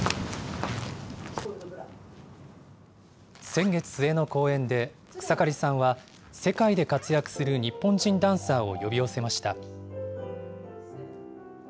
先月末の公演で、草刈さんは、世界で活躍する日本人ダンサーを呼び寄せました。